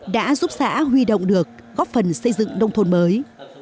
đã giúp xã huy động được góp phần xây dựng nông thôn mới